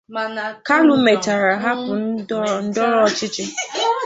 Kalu mechara hapụ ndọrọ ndọrọ ọchịchị.